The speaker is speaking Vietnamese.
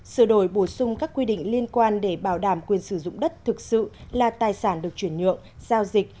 sửa đổi bổ sung các quy định liên quan để bảo đảm quyền sử dụng đất thực sự là tài sản được chuyển nhượng giao dịch